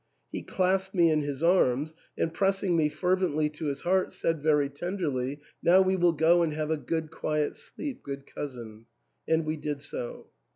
He clasped me in his arms, and pressing me fervently to his heart said very tenderly, " Now we will go and have a good quiet sleep, good cousin ;" and we did so.